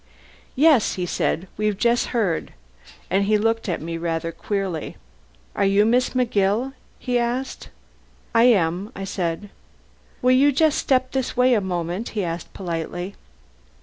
"Yes," he said. "We've just heard." And he looked at me rather queerly. "Are you Miss McGill?" he said. "I am," I said. "Will you just step this way a moment?" he asked politely.